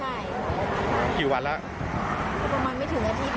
กี่วันแล้วประมาณไม่ถึงอาทิตย์